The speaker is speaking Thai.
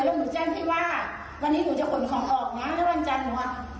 แล้วหนูแจ้งแค่ว่าวันนี้หนูจะขนของออกนะแล้ววันจันทร์หนูอ่ะ